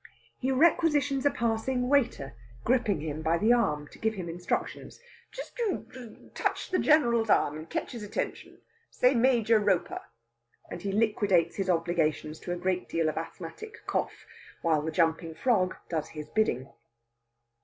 He requisitions a passing waiter, gripping him by the arm to give him instructions. "Just you touch the General's arm, and ketch his attention. Say Major Roper." And he liquidates his obligations to a great deal of asthmatic cough, while the jumping frog does his bidding.